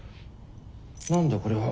何だこれは？